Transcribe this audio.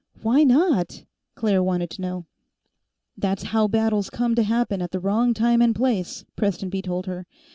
"Why not?" Claire wanted to know. "That's how battles come to happen at the wrong time and place," Prestonby told her.